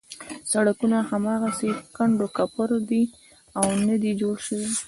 سړکونه هماغسې کنډو کپر دي او نه دي جوړ شوي.